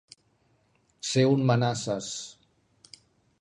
Ser un manasses.